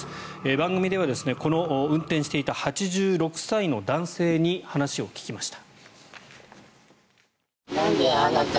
番組ではこの運転していた８６歳の男性に話を聞きました。